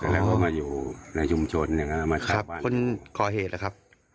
แล้วก็มาอยู่ในชุมชนเนี้ยก็มาชัดบ้านครับคนก่อเหตุหรือครับ